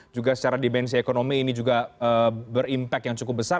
juga secara dimensi ekonomi ini juga berimpak yang cukup besar